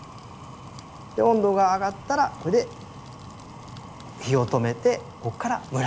温度が上がったらこれで火を止めてここから蒸らしです。